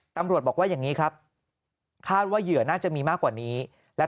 ตำรวจบอกว่าอย่างนี้ครับคาดว่าเหยื่อน่าจะมีมากกว่านี้และ